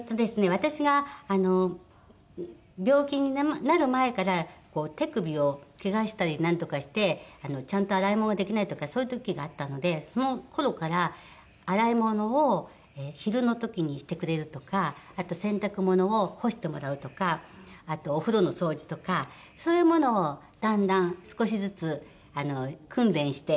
私が病気になる前から手首をけがしたりなんとかしてちゃんと洗い物ができないとかそういう時があったのでその頃から洗い物を昼の時にしてくれるとかあと洗濯物を干してもらうとかあとお風呂の掃除とかそういうものをだんだん少しずつ訓練して。